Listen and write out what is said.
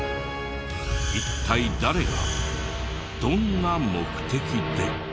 一体誰がどんな目的で？